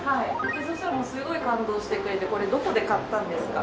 そしたらもうすごい感動してくれて「これどこで買ったんですか？」